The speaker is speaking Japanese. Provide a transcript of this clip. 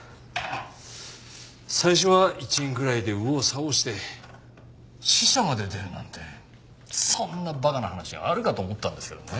最初は１円ぐらいで右往左往して死者まで出るなんてそんな馬鹿な話あるかと思ったんですけどね。